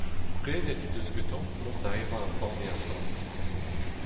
Goulennet he deus gantañ mont da evañ ur banne asambles.